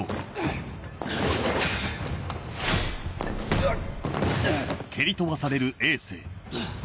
うっ！